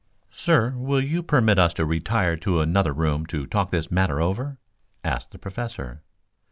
"Sir, will you permit us to retire to another room to talk this matter over?" asked the Professor.